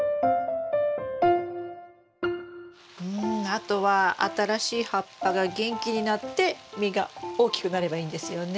あとは新しい葉っぱが元気になって実が大きくなればいいんですよね。